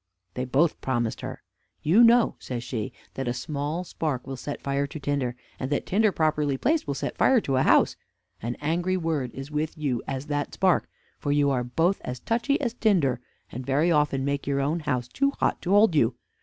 They both promised her. "You know," says she, "that a small spark will set fire to tinder, and that tinder properly placed will set fire to a house: an angry word is with you as that spark, for you are both as touchy as tinder, and very often make your own house too hot to hold you.